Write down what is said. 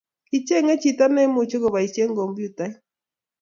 Kichenge chito neimuchi koboishee kompyutait